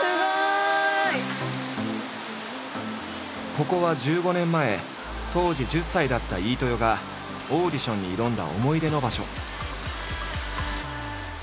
ここは１５年前当時１０歳だった飯豊がオーディションに挑んだ思い出の場所。